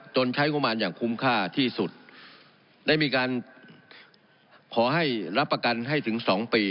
ใช้งบมารอย่างคุ้มค่าที่สุดได้มีการขอให้รับประกันให้ถึงสองปี